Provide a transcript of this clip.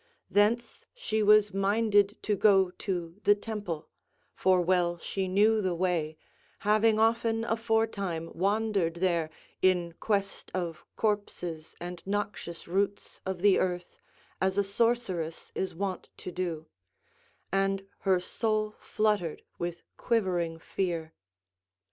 Thence she was minded to go to the temple; for well she knew the way, having often aforetime wandered there in quest of corpses and noxious roots of the earth, as a sorceress is wont to do; and her soul fluttered with quivering fear.